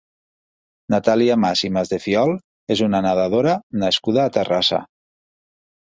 Natàlia Mas i Masdefiol és una nedadora nascuda a Terrassa.